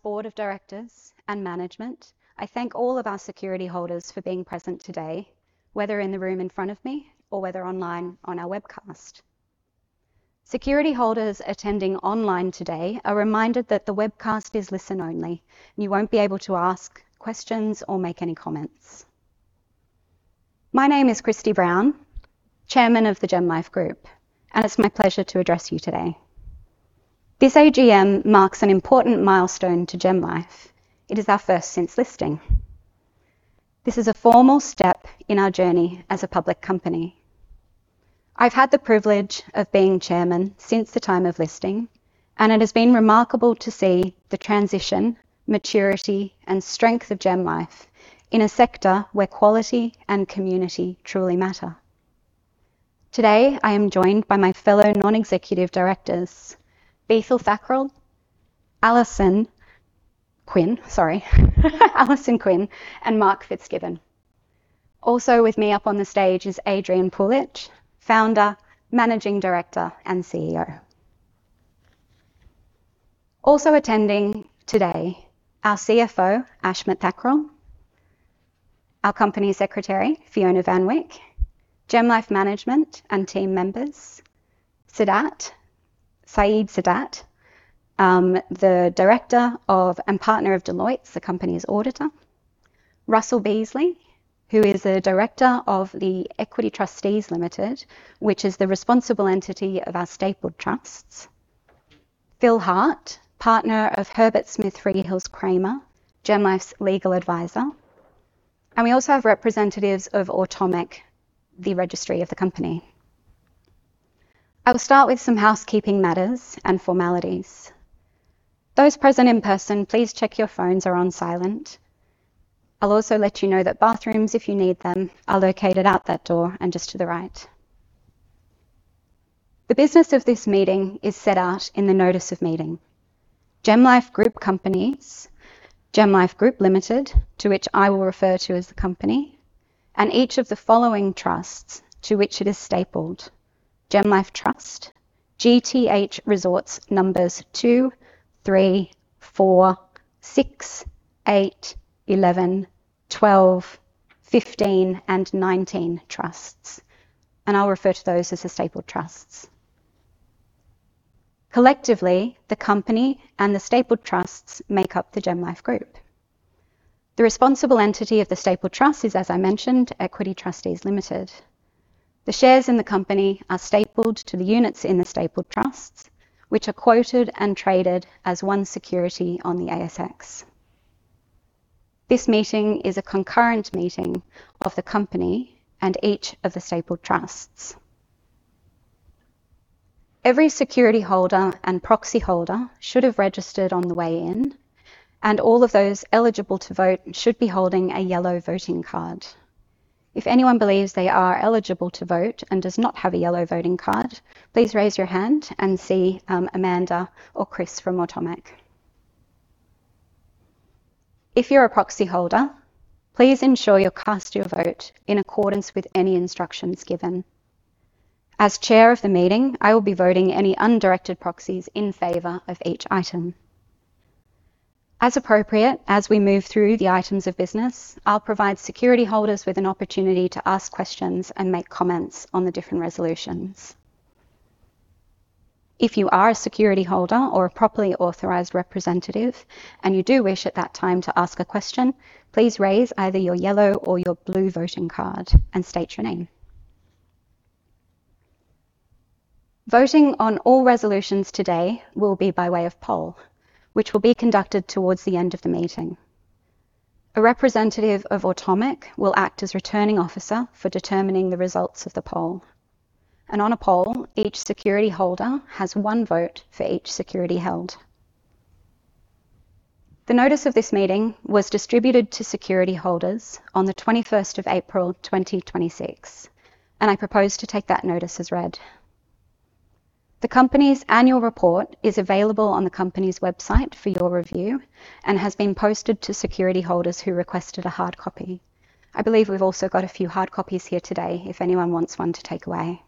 Board of Directors and management, I thank all of our security holders for being present today, whether in the room in front of me or whether online on our webcast. Security holders attending online today are reminded that the webcast is listen only, and you won't be able to ask questions or make any comments. My name is Kristie Brown, Chairman of the GemLife Group, and it's my pleasure to address you today. This AGM marks an important milestone to GemLife. It is our first since listing. This is a formal step in our journey as a public company. I've had the privilege of being Chairman since the time of listing, and it has been remarkable to see the transition, maturity, and strength of GemLife in a sector where quality and community truly matter. Today, I am joined by my fellow non-executive directors, Bethal Thakral, Alison Quinn, sorry, Alison Quinn, and Mark Fitzgibbon. Also with me up on the stage is Adrian Puljich, Founder, Managing Director, and CEO. Also attending today, our CFO, Ashmit Thakral, our Company Secretary, Fiona Van Wyk, GemLife management and team members, Saeed Sadat, the director of and partner of Deloitte, the company's auditor, Russell Beasley, who is a director of the Equity Trustees Limited, which is the responsible entity of our stapled trusts, Philip Hart, partner of Herbert Smith Freehills Kramer, GemLife's legal advisor. We also have representatives of Automic, the registry of the company. I will start with some housekeeping matters and formalities. Those present in person, please check your phones are on silent. I'll also let you know that bathrooms, if you need them, are located out that door and just to the right. The business of this meeting is set out in the notice of meeting. GemLife Group companies, GemLife Group Limited, to which I will refer to as the company, and each of the following trusts to which it is stapled, GemLife Trust, GTH Resorts numbers 2, 3, 4, 6, 8, 11, 12, 15, and 19 trusts, and I'll refer to those as the stapled trusts. Collectively, the company and the stapled trusts make up the GemLife Group. The responsible entity of the stapled trust is, as I mentioned, Equity Trustees Limited. The shares in the company are stapled to the units in the stapled trusts, which are quoted and traded as one security on the ASX. This meeting is a concurrent meeting of the company and each of the stapled trusts. Every security holder and proxy holder should have registered on the way in, and all of those eligible to vote should be holding a yellow voting card. If anyone believes they are eligible to vote and does not have a yellow voting card, please raise your hand and see Amanda or Chris from Automic. If you're a proxy holder, please ensure you cast your vote in accordance with any instructions given. As Chair of the meeting, I will be voting any undirected proxies in favor of each item. As appropriate, as we move through the items of business, I'll provide security holders with an opportunity to ask questions and make comments on the different resolutions. If you are a security holder or a properly authorized representative and you do wish at that time to ask a question, please raise either your yellow or your blue voting card and state your name. Voting on all resolutions today will be by way of poll, which will be conducted towards the end of the meeting. A representative of Automic will act as returning officer for determining the results of the poll. On a poll, each security holder has one vote for each security held. The notice of this meeting was distributed to security holders on the 21st of April, 2026, and I propose to take that notice as read. The company's annual report is available on the company's website for your review and has been posted to security holders who requested a hard copy. I believe we've also got a few hard copies here today if anyone wants one to take away.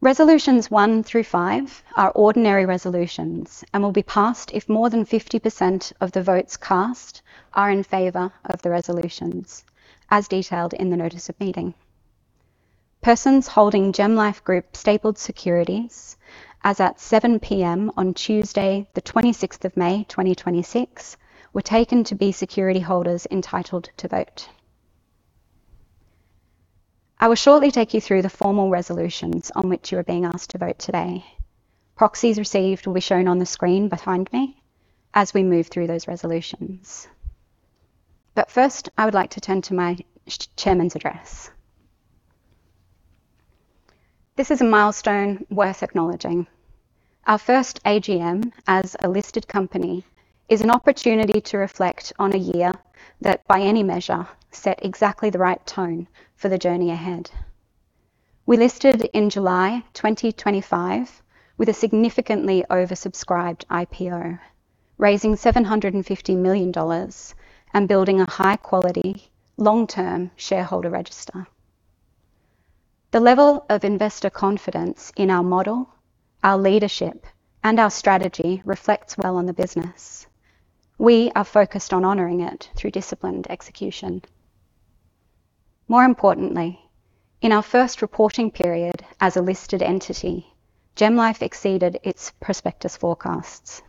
Resolutions 1 through 5 are ordinary resolutions and will be passed if more than 50% of the votes cast are in favor of the resolutions, as detailed in the notice of meeting. Persons holding GemLife Group stapled securities as at 7:00 P.M. on Tuesday the 26th of May, 2026, were taken to be security holders entitled to vote. I will shortly take you through the formal resolutions on which you are being asked to vote today. Proxies received will be shown on the screen behind me as we move through those resolutions. But first, I would like to turn to my Chairman's address. This is a milestone worth acknowledging. Our first AGM as a listed company is an opportunity to reflect on a year that by any measure set exactly the right tone for the journey ahead. We listed in July 2025 with a significantly oversubscribed IPO, raising 750 million dollars and building a high-quality, long-term shareholder register. The level of investor confidence in our model, our leadership, and our strategy reflects well on the business. We are focused on honoring it through disciplined execution. More importantly, in our first reporting period as a listed entity, GemLife exceeded its prospectus forecasts.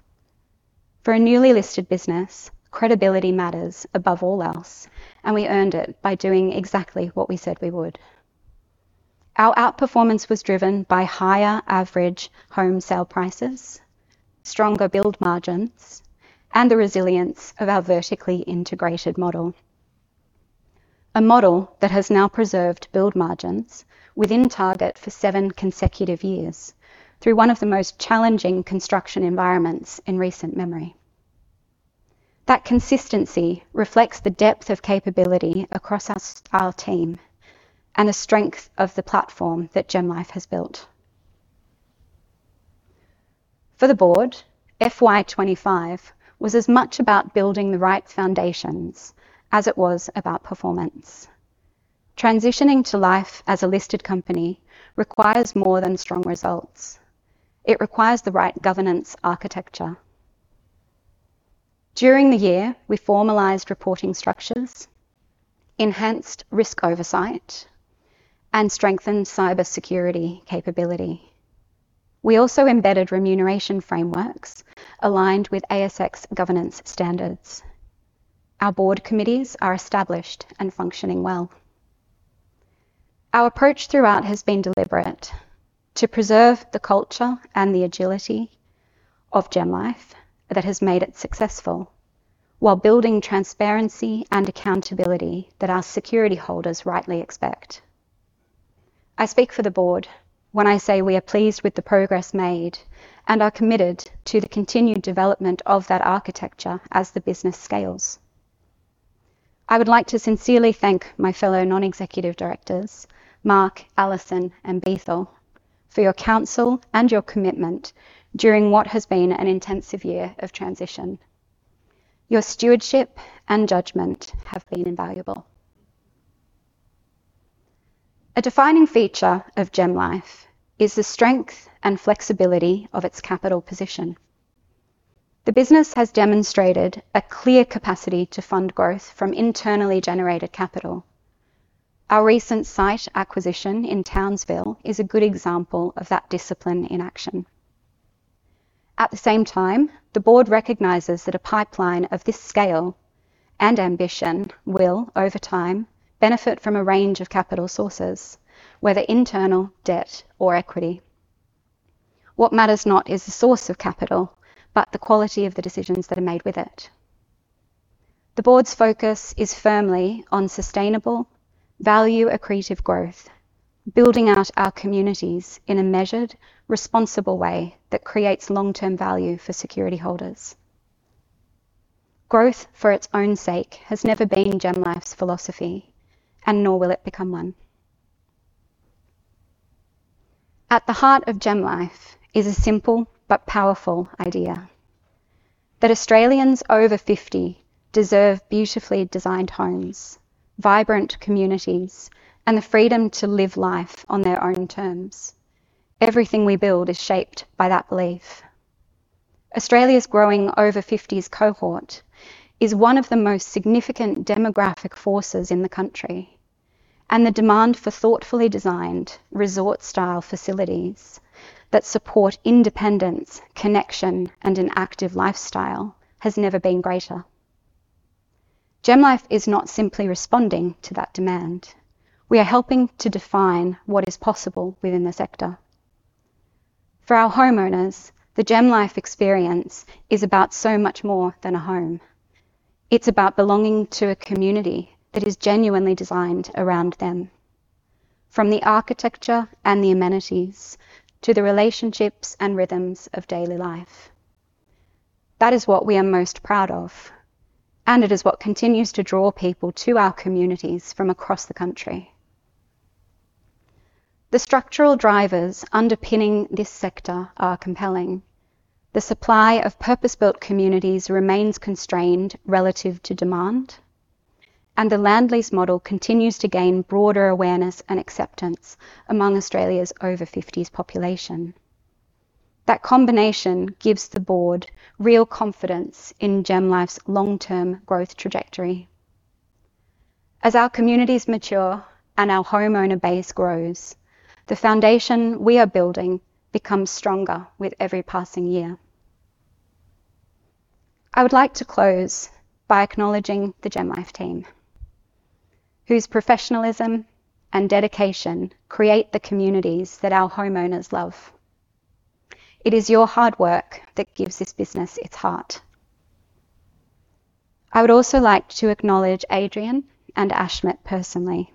For a newly listed business, credibility matters above all else, and we earned it by doing exactly what we said we would. Our outperformance was driven by higher average home sale prices, stronger build margins, and the resilience of our vertically integrated model. A model that has now preserved build margins within target for seven consecutive years through one of the most challenging construction environments in recent memory. That consistency reflects the depth of capability across our team and the strength of the platform that GemLife has built. For the Board, FY 2025 was as much about building the right foundations as it was about performance. Transitioning to life as a listed company requires more than strong results. It requires the right governance architecture. During the year, we formalized reporting structures, enhanced risk oversight, and strengthened cybersecurity capability. We also embedded remuneration frameworks aligned with ASX governance standards. Our Board committees are established and functioning well. Our approach throughout has been deliberate to preserve the culture and the agility of GemLife that has made it successful while building transparency and accountability that our security holders rightly expect. I speak for the Board when I say we are pleased with the progress made and are committed to the continued development of that architecture as the business scales. I would like to sincerely thank my fellow non-executive directors, Mark, Alison, and Bethal, for your counsel and your commitment during what has been an intensive year of transition. Your stewardship and judgment have been invaluable. A defining feature of GemLife is the strength and flexibility of its capital position. The business has demonstrated a clear capacity to fund growth from internally generated capital. Our recent site acquisition in Townsville is a good example of that discipline in action. At the same time, the board recognizes that a pipeline of this scale and ambition will, over time, benefit from a range of capital sources, whether internal, debt, or equity. What matters not is the source of capital but the quality of the decisions that are made with it. The Board's focus is firmly on sustainable value accretive growth, building out our communities in a measured, responsible way that creates long-term value for security holders. Growth for its own sake has never been GemLife's philosophy, and nor will it become one. At the heart of GemLife is a simple but powerful idea that Australians over 50 deserve beautifully designed homes, vibrant communities, and the freedom to live life on their own terms. Everything we build is shaped by that belief. Australia's growing over 50s cohort is one of the most significant demographic forces in the country, and the demand for thoughtfully designed resort-style facilities that support independence, connection, and an active lifestyle has never been greater. GemLife is not simply responding to that demand. We are helping to define what is possible within the sector. For our homeowners, the GemLife experience is about so much more than a home. It's about belonging to a community that is genuinely designed around them, from the architecture and the amenities to the relationships and rhythms of daily life. That is what we are most proud of, and it is what continues to draw people to our communities from across the country. The structural drivers underpinning this sector are compelling. The supply of purpose-built communities remains constrained relative to demand, and the land lease model continues to gain broader awareness and acceptance among Australia's over 50s population. That combination gives the Board real confidence in GemLife's long-term growth trajectory. As our communities mature and our homeowner base grows, the foundation we are building becomes stronger with every passing year. I would like to close by acknowledging the GemLife team, whose professionalism and dedication create the communities that our homeowners love. It is your hard work that gives this business its heart. I would also like to acknowledge Adrian and Ashmit personally.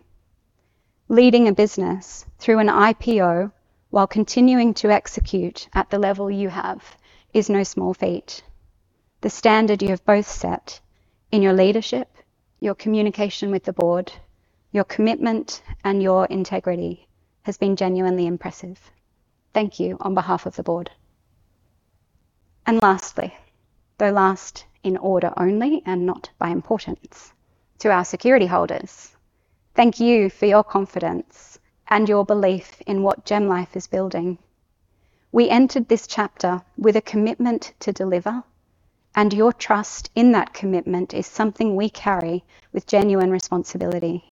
Leading a business through an IPO while continuing to execute at the level you have is no small feat. The standard you have both set in your leadership, your communication with the Board, your commitment, and your integrity has been genuinely impressive. Thank you on behalf of the Board. Lastly, though last in order only and not by importance, to our security holders, thank you for your confidence and your belief in what GemLife is building. We entered this chapter with a commitment to deliver, and your trust in that commitment is something we carry with genuine responsibility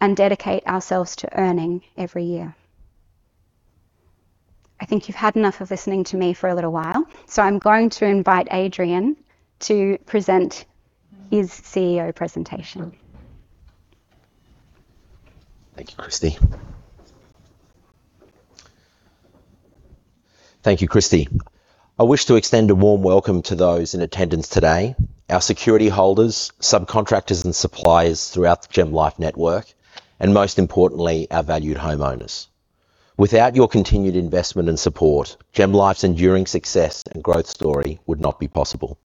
and dedicate ourselves to earning every year. I think you've had enough of listening to me for a little while, so I'm going to invite Adrian to present his CEO presentation. Thank you, Kristie. I wish to extend a warm welcome to those in attendance today, our security holders, subcontractors, and suppliers throughout the GemLife network, and most importantly, our valued homeowners. Without your continued investment and support, GemLife's enduring success and growth story would not be possible.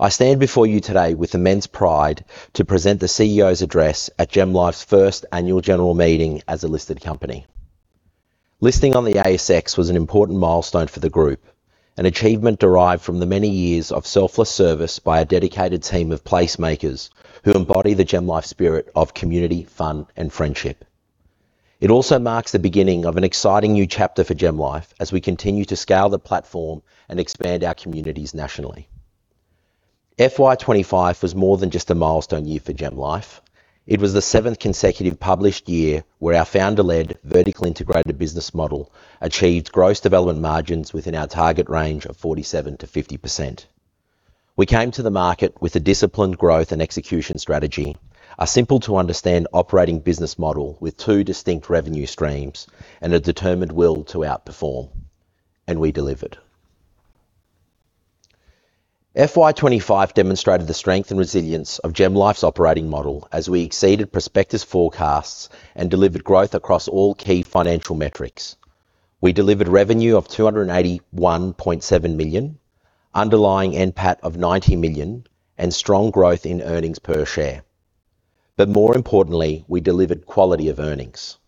I stand before you today with immense pride to present the CEO's address at GemLife's first annual general meeting as a listed company. Listing on the ASX was an important milestone for the group, an achievement derived from the many years of selfless service by a dedicated team of placemakers who embody the GemLife spirit of community, fun, and friendship. It also marks the beginning of an exciting new chapter for GemLife as we continue to scale the platform and expand our communities nationally. FY 2025 was more than just a milestone year for GemLife. It was the seventh consecutive published year where our founder-led, vertically integrated business model achieved gross development margins within our target range of 47%-50%. We came to the market with a disciplined growth and execution strategy, a simple-to-understand operating business model with two distinct revenue streams, and a determined will to outperform. We delivered. FY 2025 demonstrated the strength and resilience of GemLife's operating model as we exceeded prospectus forecasts and delivered growth across all key financial metrics. We delivered revenue of 281.7 million, underlying NPAT of 90 million, and strong growth in earnings per share. More importantly, we delivered quality of earnings.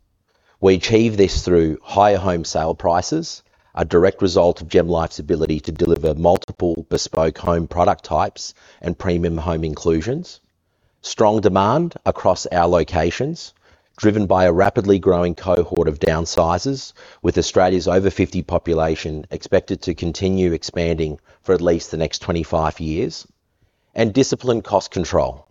We achieved this through higher home sale prices, a direct result of GemLife's ability to deliver multiple bespoke home product types and premium home inclusions, strong demand across our locations, driven by a rapidly growing cohort of downsizers, with Australia's over 50 population expected to continue expanding for at least the next 25 years, and disciplined cost control,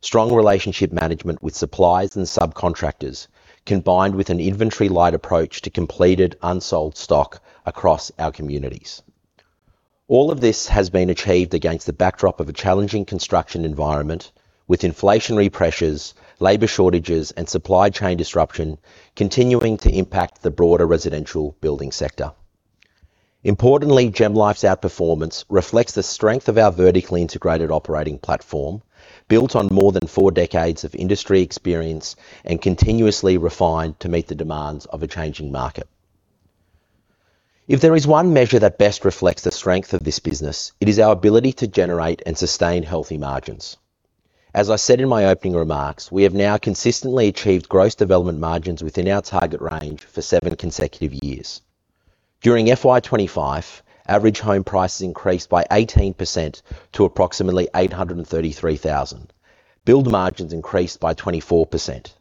strong relationship management with suppliers and subcontractors, combined with an inventory-light approach to completed unsold stock across our communities. All of this has been achieved against the backdrop of a challenging construction environment with inflationary pressures, labor shortages, and supply chain disruption continuing to impact the broader residential building sector. Importantly, GemLife's outperformance reflects the strength of our vertically integrated operating platform, built on more than four decades of industry experience and continuously refined to meet the demands of a changing market. If there is one measure that best reflects the strength of this business, it is our ability to generate and sustain healthy margins. As I said in my opening remarks, we have now consistently achieved gross development margins within our target range for seven consecutive years. During FY 2025, average home prices increased by 18% to approximately 833,000. Build margins increased by 24%.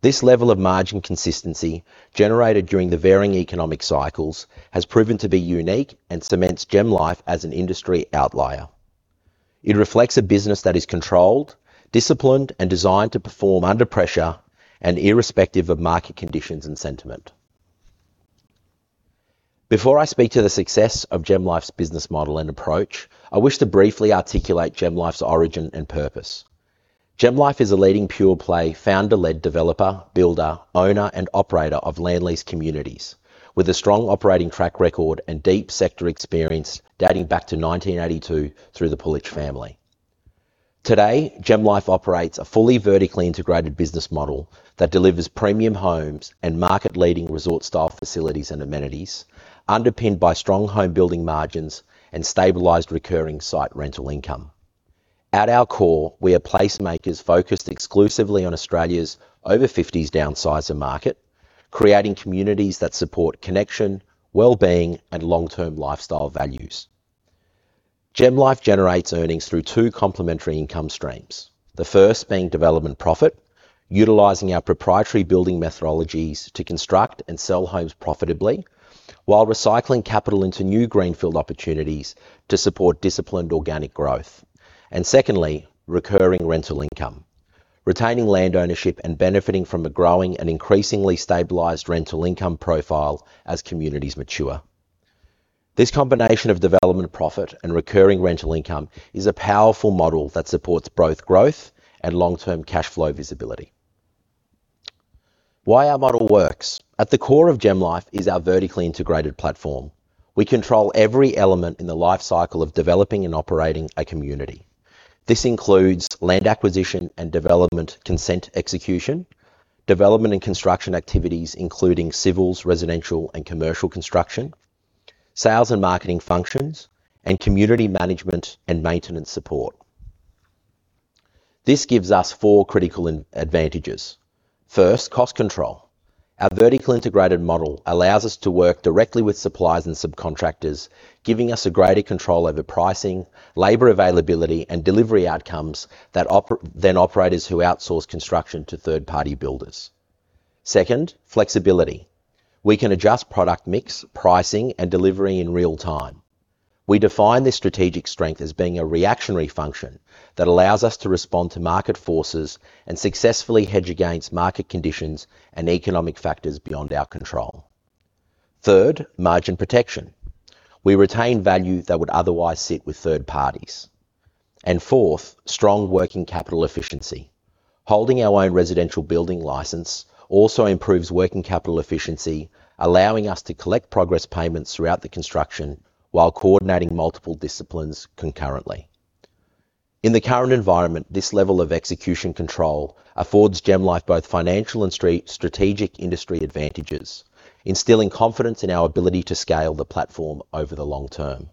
This level of margin consistency generated during the varying economic cycles has proven to be unique and cements GemLife as an industry outlier. It reflects a business that is controlled, disciplined, and designed to perform under pressure and irrespective of market conditions and sentiment. Before I speak to the success of GemLife's business model and approach, I wish to briefly articulate GemLife's origin and purpose. GemLife is a leading pure-play, founder-led developer, builder, owner, and operator of land lease communities, with a strong operating track record and deep sector experience dating back to 1982 through the Puljich family. Today, GemLife operates a fully vertically integrated business model that delivers premium homes and market-leading resort-style facilities and amenities, underpinned by strong home building margins and stabilized recurring site rental income. At our core, we are placemakers focused exclusively on Australia's over 50s downsizer market, creating communities that support connection, wellbeing, and long-term lifestyle values. GemLife generates earnings through two complementary income streams. The first being development profit, utilizing our proprietary building methodologies to construct and sell homes profitably, while recycling capital into new greenfield opportunities to support disciplined organic growth. Secondly, recurring rental income, retaining land ownership and benefiting from a growing and increasingly stabilized rental income profile as communities mature. This combination of development profit and recurring rental income is a powerful model that supports both growth and long-term cash flow visibility. Why our model works. At the core of GemLife is our vertically integrated platform. We control every element in the life cycle of developing and operating a community. This includes land acquisition and development consent execution, development and construction activities, including civils, residential, and commercial construction, sales and marketing functions, and community management and maintenance support. This gives us four critical advantages. First, cost control. Our vertically integrated model allows us to work directly with suppliers and subcontractors, giving us a greater control over pricing, labor availability, and delivery outcomes than operators who outsource construction to third-party builders. Second, flexibility. We can adjust product mix, pricing, and delivery in real time. We define this strategic strength as being a reactionary function that allows us to respond to market forces and successfully hedge against market conditions and economic factors beyond our control. Third, margin protection. We retain value that would otherwise sit with third parties. Fourth, strong working capital efficiency. Holding our own residential building license also improves working capital efficiency, allowing us to collect progress payments throughout the construction while coordinating multiple disciplines concurrently. In the current environment, this level of execution control affords GemLife both financial and strategic industry advantages, instilling confidence in our ability to scale the platform over the long term.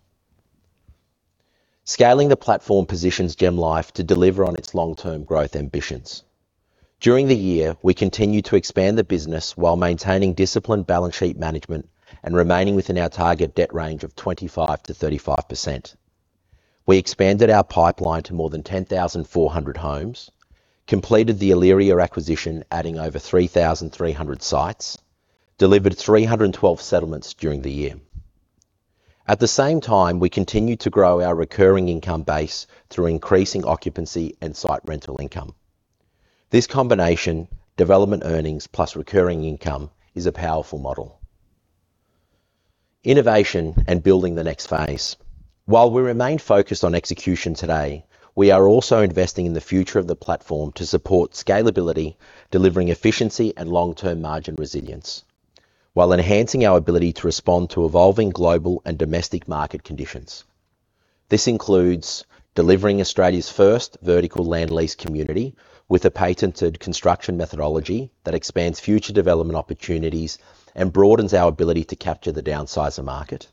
Scaling the platform positions GemLife to deliver on its long-term growth ambitions. During the year, we continued to expand the business while maintaining disciplined balance sheet management and remaining within our target debt range of 25%-35%. We expanded our pipeline to more than 10,400 homes, completed the Aliria acquisition, adding over 3,300 sites, delivered 312 settlements during the year. At the same time, we continued to grow our recurring income base through increasing occupancy and site rental income. This combination, development earnings plus recurring income, is a powerful model. Innovation and building the next phase. While we remain focused on execution today, we are also investing in the future of the platform to support scalability, delivering efficiency and long-term margin resilience while enhancing our ability to respond to evolving global and domestic market conditions. This includes delivering Australia's first vertical land lease community with a patented construction methodology that expands future development opportunities and broadens our ability to capture the downsizer market.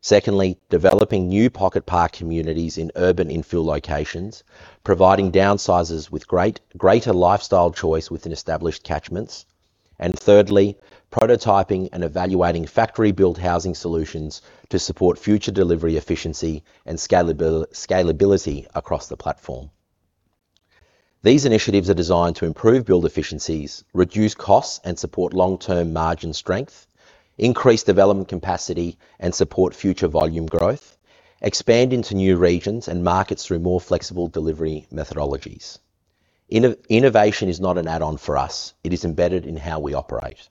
Secondly, developing new pocket park communities in urban infill locations, providing downsizers with greater lifestyle choice within established catchments. Thirdly, prototyping and evaluating factory-built housing solutions to support future delivery efficiency and scalability across the platform. These initiatives are designed to improve build efficiencies, reduce costs, and support long-term margin strength, increase development capacity, and support future volume growth, expand into new regions and markets through more flexible delivery methodologies. Innovation is not an add-on for us. It is embedded in how we operate.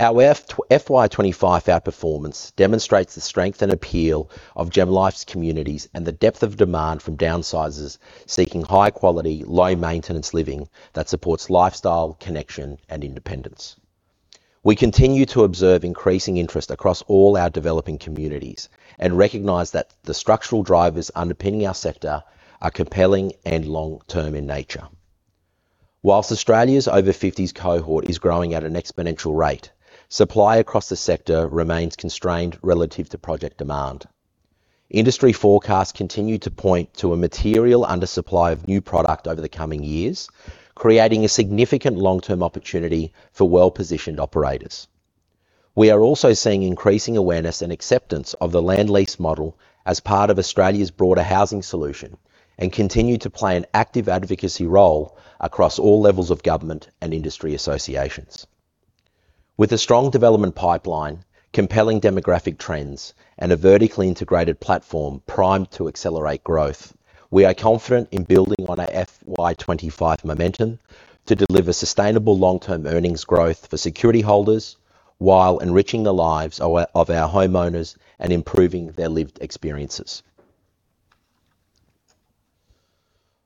Our FY 2025 outperformance demonstrates the strength and appeal of GemLife's communities and the depth of demand from downsizers seeking high-quality, low-maintenance living that supports lifestyle, connection, and independence. We continue to observe increasing interest across all our developing communities and recognize that the structural drivers underpinning our sector are compelling and long-term in nature. Whilst Australia's over 50s cohort is growing at an exponential rate, supply across the sector remains constrained relative to project demand. Industry forecasts continue to point to a material undersupply of new product over the coming years, creating a significant long-term opportunity for well-positioned operators. We are also seeing increasing awareness and acceptance of the land lease model as part of Australia's broader housing solution and continue to play an active advocacy role across all levels of government and industry associations. With a strong development pipeline, compelling demographic trends, and a vertically integrated platform primed to accelerate growth, we are confident in building on our FY 2025 momentum to deliver sustainable long-term earnings growth for security holders while enriching the lives of our homeowners and improving their lived experiences.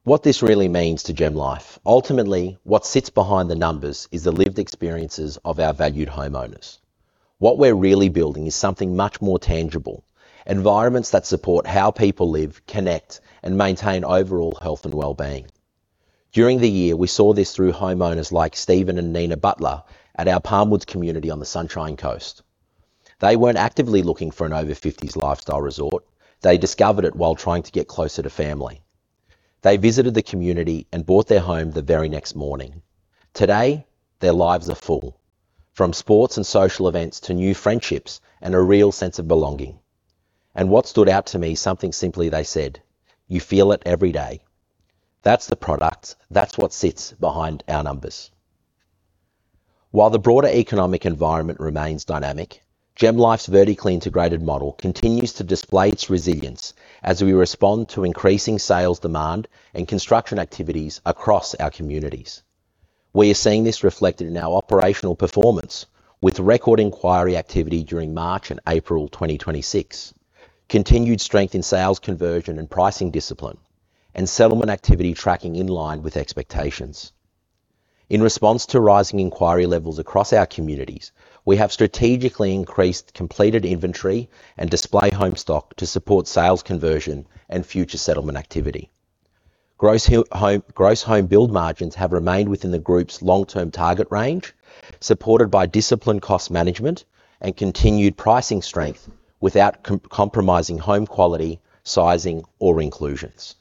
What this really means to GemLife. Ultimately, what sits behind the numbers is the lived experiences of our valued homeowners. What we're really building is something much more tangible, environments that support how people live, connect, and maintain overall health and wellbeing. During the year, we saw this through homeowners like Steven and Nina Butler at our Palmwoods community on the Sunshine Coast. They weren't actively looking for an over 50s lifestyle resort. They discovered it while trying to get closer to family. They visited the community and bought their home the very next morning. Today, their lives are full, from sports and social events to new friendships and a real sense of belonging. What stood out to me, something simply they said, "You feel it every day." That's the product. That's what sits behind our numbers. While the broader economic environment remains dynamic, GemLife's vertically integrated model continues to display its resilience as we respond to increasing sales demand and construction activities across our communities. We are seeing this reflected in our operational performance with record inquiry activity during March and April 2026, continued strength in sales conversion and pricing discipline, and settlement activity tracking in line with expectations. In response to rising inquiry levels across our communities, we have strategically increased completed inventory and display home stock to support sales conversion and future settlement activity. Gross home build margins have remained within the group's long-term target range, supported by disciplined cost management and continued pricing strength without compromising home quality, sizing, or inclusions.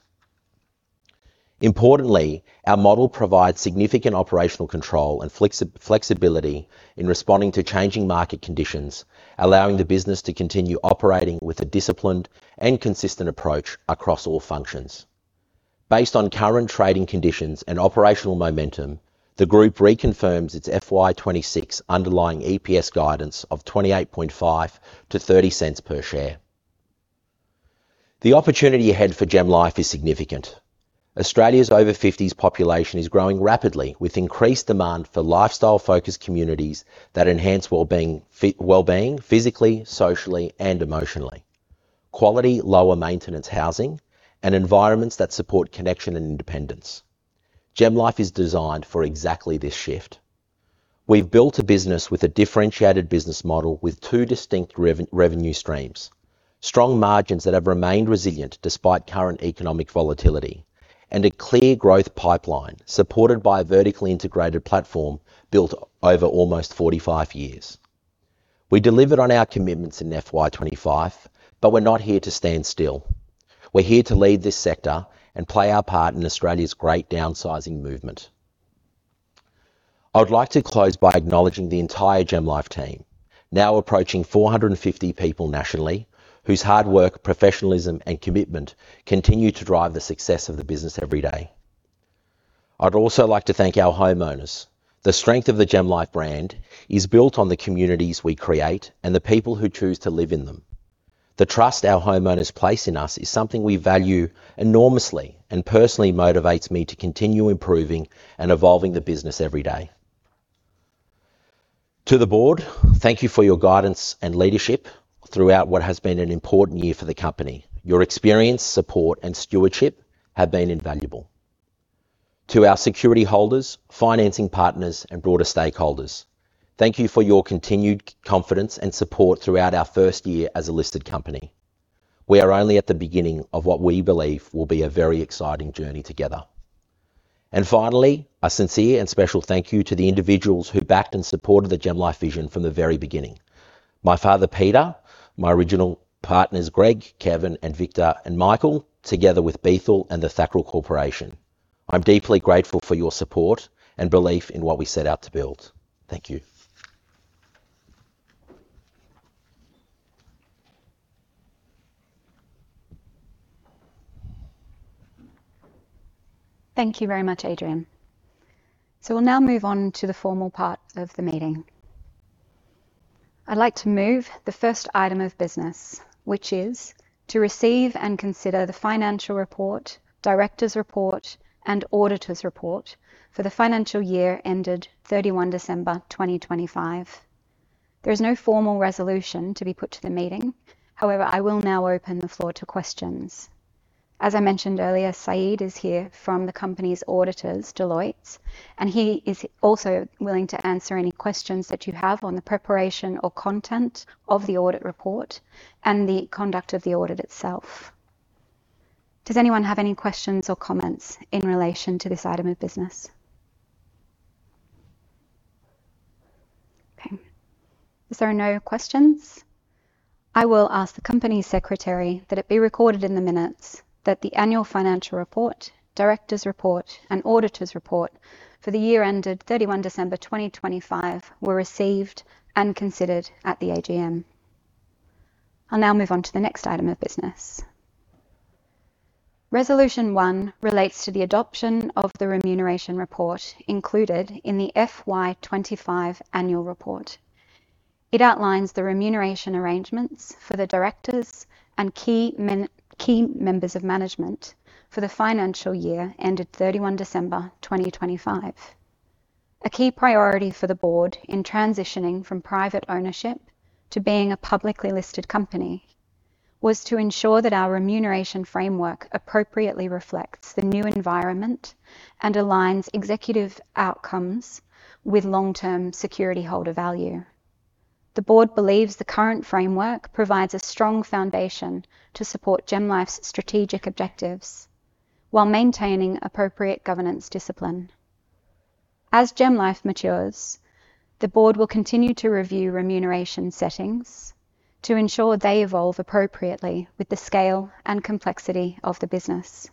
Importantly, our model provides significant operational control and flexibility in responding to changing market conditions, allowing the business to continue operating with a disciplined and consistent approach across all functions. Based on current trading conditions and operational momentum, the group reconfirms its FY 2026 underlying EPS guidance of 0.285-0.30 per share. The opportunity ahead for GemLife is significant. Australia's over 50s population is growing rapidly, with increased demand for lifestyle-focused communities that enhance wellbeing physically, socially, and emotionally, quality lower maintenance housing, and environments that support connection and independence. GemLife is designed for exactly this shift. We've built a business with a differentiated business model with two distinct revenue streams, strong margins that have remained resilient despite current economic volatility, and a clear growth pipeline supported by a vertically integrated platform built over almost 45 years. We delivered on our commitments in FY 2025. We're not here to stand still. We're here to lead this sector and play our part in Australia's great downsizing movement. I would like to close by acknowledging the entire GemLife team, now approaching 450 people nationally, whose hard work, professionalism, and commitment continue to drive the success of the business every day. I'd also like to thank our homeowners. The strength of the GemLife brand is built on the communities we create and the people who choose to live in them. The trust our homeowners place in us is something we value enormously and personally motivates me to continue improving and evolving the business every day. To the board, thank you for your guidance and leadership throughout what has been an important year for the company. Your experience, support, and stewardship have been invaluable. To our security holders, financing partners, and broader stakeholders, thank you for your continued confidence and support throughout our first year as a listed company. We are only at the beginning of what we believe will be a very exciting journey together. Finally, a sincere and special thank you to the individuals who backed and supported the GemLife vision from the very beginning. My father, Peter, my original partners Greg, Kevin, and Victor, and Michael, together with Bethal and the Thakral Corporation. I'm deeply grateful for your support and belief in what we set out to build. Thank you. Thank you very much, Adrian. We'll now move on to the formal part of the meeting. I'd like to move the first item of business, which is to receive and consider the financial report, directors' report, and auditors' report for the financial year ended 31 December 2025. There is no formal resolution to be put to the meeting. However, I will now open the floor to questions. As I mentioned earlier, Saeed is here from the company's auditors, Deloitte, and he is also willing to answer any questions that you have on the preparation or content of the audit report and the conduct of the audit itself. Does anyone have any questions or comments in relation to this item of business? Okay. As there are no questions, I will ask the Company Secretary that it be recorded in the minutes that the annual financial report, directors' report, and auditors' report for the year ended 31 December 2025 were received and considered at the AGM. I'll now move on to the next item of business. Resolution 1 relates to the adoption of the remuneration report included in the FY 2025 annual report. It outlines the remuneration arrangements for the directors and key members of management for the financial year ended 31 December 2025. A key priority for the Board in transitioning from private ownership to being a publicly listed company was to ensure that our remuneration framework appropriately reflects the new environment and aligns executive outcomes with long-term security holder value. The Board believes the current framework provides a strong foundation to support GemLife's strategic objectives while maintaining appropriate governance discipline. As GemLife matures, the board will continue to review remuneration settings to ensure they evolve appropriately with the scale and complexity of the business.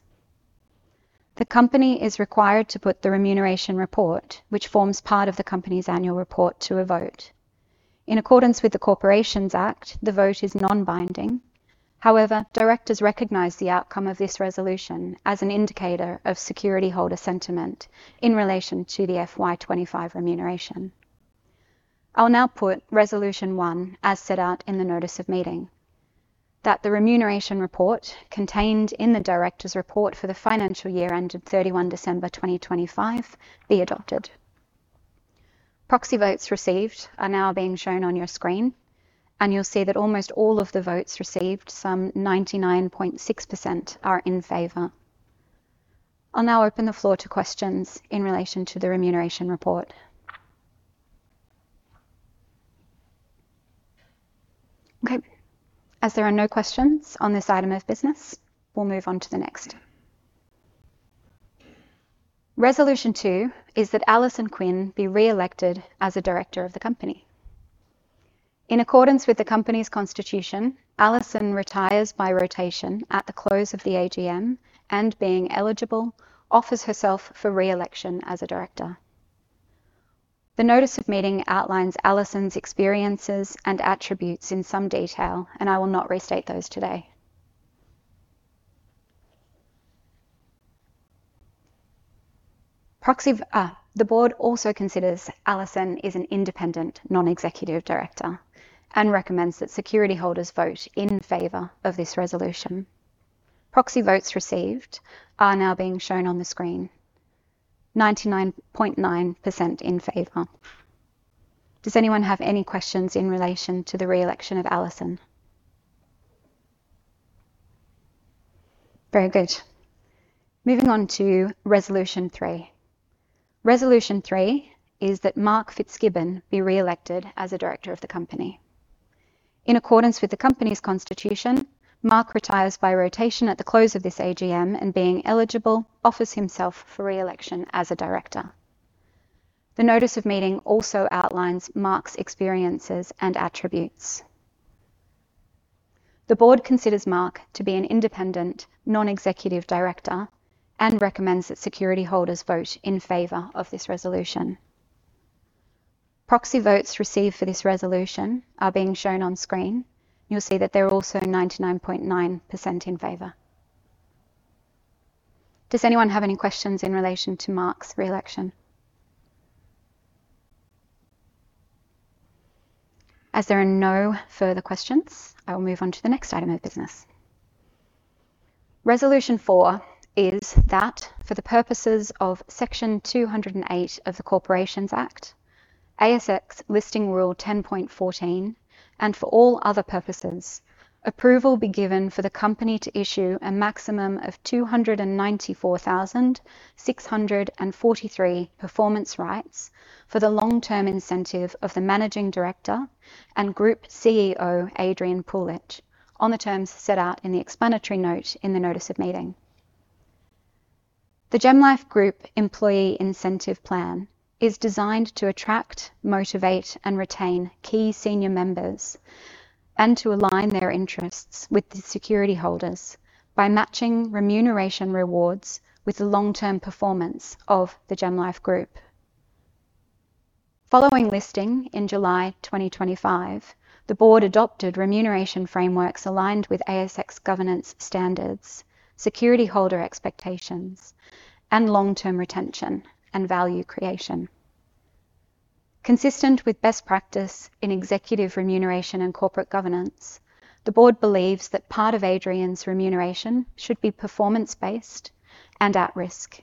The company is required to put the remuneration report, which forms part of the company's annual report, to a vote. In accordance with the Corporations Act, the vote is non-binding. Directors recognize the outcome of this resolution as an indicator of security holder sentiment in relation to the FY 2025 remuneration. I'll now put Resolution 1 as set out in the notice of meeting, that the remuneration report contained in the directors' report for the financial year ended 31 December 2025 be adopted. Proxy votes received are now being shown on your screen, you'll see that almost all of the votes received, some 99.6%, are in favor. I'll now open the floor to questions in relation to the remuneration report. Okay. As there are no questions on this item of business, we'll move on to the next. Resolution 2 is that Alison Quinn be re-elected as a Director of the company. In accordance with the company's constitution, Alison retires by rotation at the close of the AGM, and being eligible, offers herself for re-election as a Director. The notice of meeting outlines Alison's experiences and attributes in some detail. I will not restate those today. The Board also considers Alison is an independent non-executive director and recommends that security holders vote in favor of this resolution. Proxy votes received are now being shown on the screen, 99.9% in favor. Does anyone have any questions in relation to the re-election of Alison? Very good. Moving on to Resolution 3. Resolution 3 is that Mark Fitzgibbon be re-elected as a Director of the company. In accordance with the company's constitution, Mark retires by rotation at the close of this AGM, and being eligible, offers himself for re-election as a director. The notice of meeting also outlines Mark's experiences and attributes. The Board considers Mark to be an independent non-executive director and recommends that security holders vote in favor of this resolution. Proxy votes received for this resolution are being shown on screen, and you'll see that they're also 99.9% in favor. Does anyone have any questions in relation to Mark's re-election? As there are no further questions, I will move on to the next item of business. Resolution 4 is that for the purposes of Section 208 of the Corporations Act, ASX Listing Rule 10.14, and for all other purposes, approval be given for the company to issue a maximum of 294,643 performance rights for the long-term incentive of the Managing Director and Group CEO, Adrian Puljich, on the terms set out in the Explanatory Note in the notice of meeting. The GemLife Group Employee Incentive Plan is designed to attract, motivate, and retain key senior members, and to align their interests with the security holders by matching remuneration rewards with the long-term performance of the GemLife Group. Following listing in July 2025, the board adopted remuneration frameworks aligned with ASX governance standards, security holder expectations, and long-term retention and value creation. Consistent with best practice in executive remuneration and corporate governance, the Board believes that part of Adrian's remuneration should be performance-based and at risk,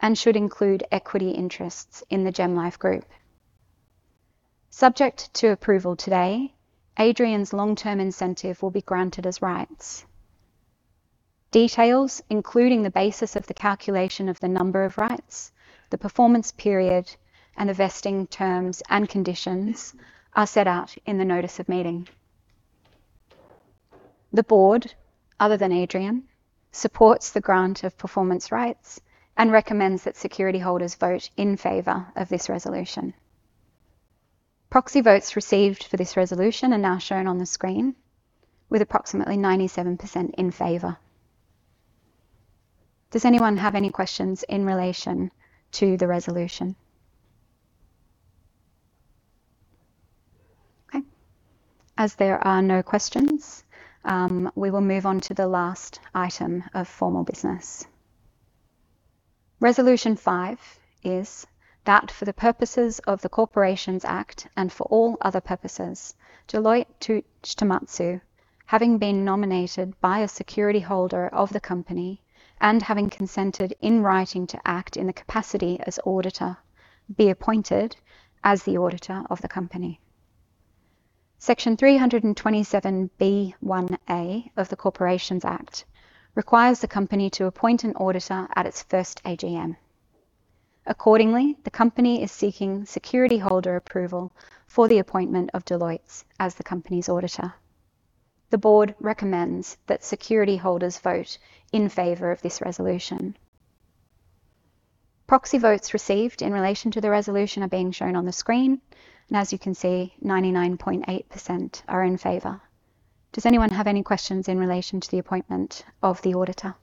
and should include equity interests in the GemLife Group. Subject to approval today, Adrian's long-term incentive will be granted as performance rights. Details, including the basis of the calculation of the number of rights, the performance period, and the vesting terms and conditions, are set out in the notice of meeting. The board, other than Adrian, supports the grant of performance rights and recommends that security holders vote in favor of this resolution. Proxy votes received for this resolution are now shown on the screen, with approximately 97% in favor. Does anyone have any questions in relation to the resolution? Okay. As there are no questions, we will move on to the last item of formal business. Resolution 5 is that for the purposes of the Corporations Act, and for all other purposes, Deloitte Touche Tohmatsu, having been nominated by a security holder of the company, and having consented in writing to act in the capacity as auditor, be appointed as the auditor of the company. Section 327B(1A) of the Corporations Act requires the company to appoint an auditor at its first AGM. Accordingly, the company is seeking security holder approval for the appointment of Deloitte as the company's auditor. The Board recommends that security holders vote in favor of this resolution. Proxy votes received in relation to the resolution are being shown on the screen, as you can see, 99.8% are in favor. Does anyone have any questions in relation to the appointment of the auditor?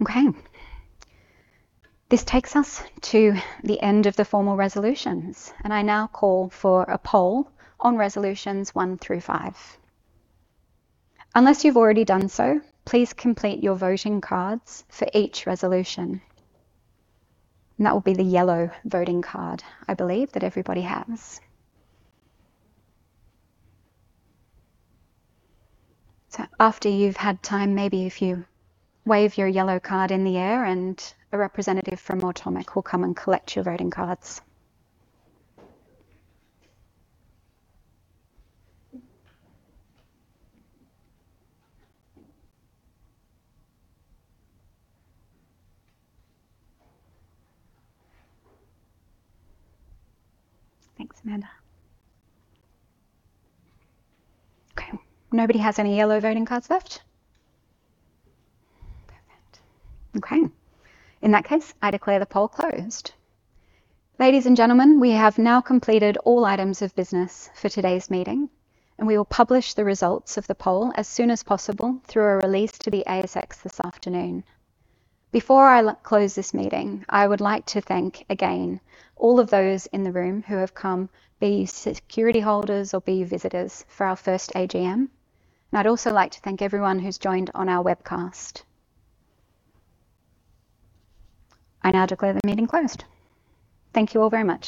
Okay. This takes us to the end of the formal resolutions, and I now call for a poll on Resolutions 1 through 5. Unless you've already done so, please complete your voting cards for each resolution. That will be the yellow voting card, I believe, that everybody has. After you've had time, maybe if you wave your yellow card in the air, and a representative from Automic will come and collect your voting cards. Thanks, Amanda. Okay. Nobody has any yellow voting cards left? Perfect. Okay. In that case, I declare the poll closed. Ladies and gentlemen, we have now completed all items of business for today's meeting, and we will publish the results of the poll as soon as possible through a release to the ASX this afternoon. Before I close this meeting, I would like to thank, again, all of those in the room who have come, be you security holders or be you visitors, for our first AGM, and I'd also like to thank everyone who's joined on our webcast. I now declare the meeting closed. Thank you all very much.